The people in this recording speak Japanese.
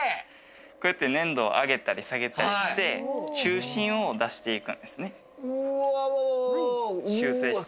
こうやって粘土を上げたり下げたりして、中心を出していくんですね。